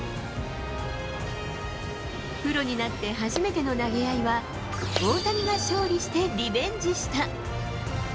プロになって初めての投げ合いは、大谷が勝利してリベンジした。